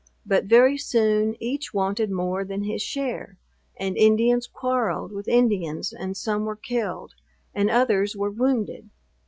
But very soon each wanted more than his share, and Indians quarrelled with Indians, and some were killed, and others were wounded.